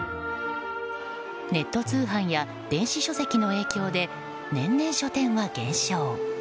ネット通販や電子書籍の影響で年々、書店は減少。